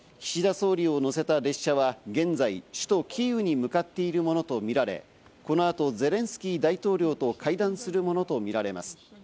総理を乗せた列車は現在、首都キーウに向かっているものとみられ、この後、ゼレンスキー大統領と会談するものとみられます。